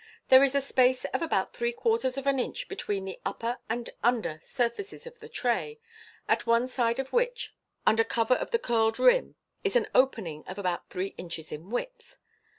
There is a space of about three quarters of an inch between the upper and under surfaces of the tray, at one side of which, under cover of the curled rim, is an opening of about three inches in width.